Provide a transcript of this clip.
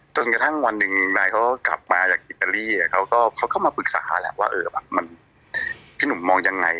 จนกระทั่งวันหนึ่งนายเขากลับมาจากอิตาลีเขาก็มาปรึกษาแหละว่ามันพี่หนุ่มมองยังไง